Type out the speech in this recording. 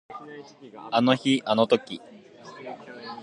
あの日あの時